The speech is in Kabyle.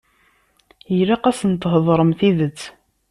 Ilaq asen-theḍṛem tidet.